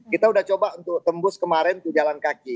kita sudah coba untuk tembus kemarin tuh jalan kaki